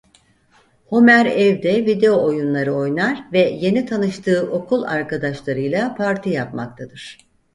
Homer evde video oyunları oynar ve yeni tanıştığı okul arkadaşlarıyla parti yapmaktadır.